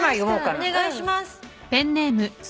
お願いします。